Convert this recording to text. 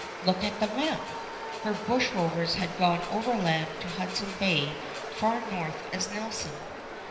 Look at the map! Her bushrovers had gone overland to Hudson Bay far north as Nelson.